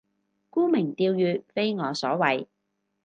沽名釣譽非我所為